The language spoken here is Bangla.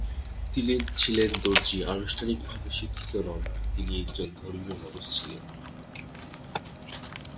তিনি ছিলেন দর্জি, আনুষ্ঠানিকভাবে শিক্ষিত নন, তিনি একজন ধর্মীয় মানুষ ছিলেন।